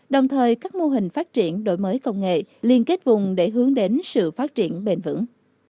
đồng thời các mô hình phát triển đổi mới công nghệ liên kết vùng để hướng đến sự phát triển bền vững